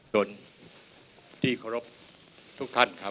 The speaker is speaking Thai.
จนที่เคารพทุกท่านครับ